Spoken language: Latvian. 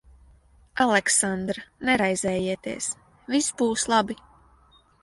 Aleksandr, neraizējieties. Viss būs labi.